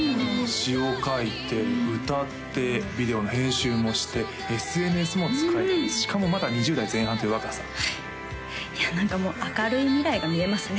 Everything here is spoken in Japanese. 詞を書いて歌ってビデオの編集もしてＳＮＳも使いこなすしかもまだ２０代前半という若さいや何かもう明るい未来が見えますね